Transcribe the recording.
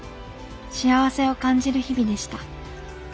幸せを感じる日々でした。